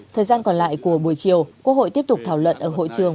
thời gian còn lại của buổi chiều quốc hội tiếp tục thảo luận ở hội trường